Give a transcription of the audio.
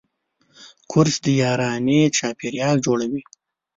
کورس د یارانې چاپېریال جوړوي.